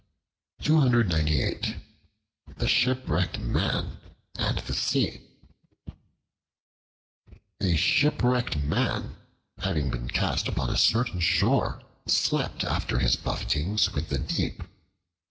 The Shipwrecked Man and the Sea A SHIPWRECKED MAN, having been cast upon a certain shore, slept after his buffetings with the deep.